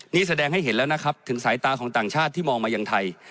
นี่แสดงให้เห็นแล้วนะครับถึงสายตาของต่างชาติที่มองมายังไทย